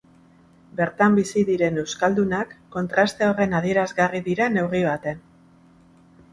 Bertan bizi diren euskaldunak kontraste horren adierazgarri dira neurri batean.